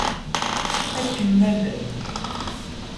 Akken ma llan.